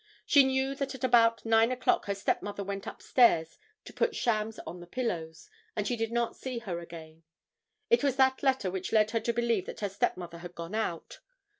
She knew that at about 9 o'clock her stepmother went upstairs to put shams on the pillows, and she did not see her again. It was that letter which led her to believe that her stepmother had gone out.